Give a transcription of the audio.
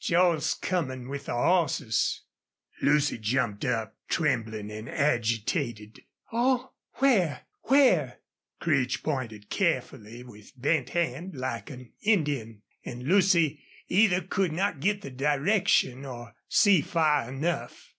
"Joel's comin' with the hosses!" Lucy jumped up, trembling and agitated. "Oh! ... Where? Where?" Creech pointed carefully with bent hand, like an Indian, and Lucy either could not get the direction or see far enough.